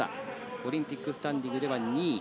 オリンピックスタンディングでは２位。